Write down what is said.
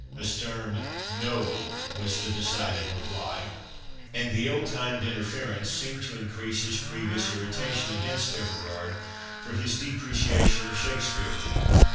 A stern No, was the decided reply; and the ill timed interference seemed to increase his previous irritation against Everard for his depreciation of Shakspeare.